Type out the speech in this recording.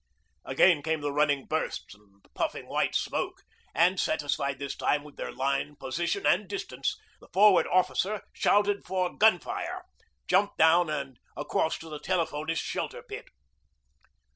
Again came the running bursts and puffing white smoke, and satisfied this time with their line, position, and distance, the Forward Officer shouted for 'Gun fire,' jumped down and across to the telephonist's shelter pit.